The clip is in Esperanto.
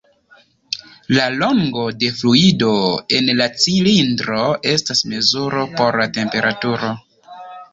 La longo de fluido en la cilindro estas mezuro por la temperaturo.